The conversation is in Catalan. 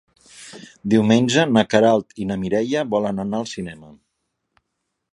Diumenge na Queralt i na Mireia volen anar al cinema.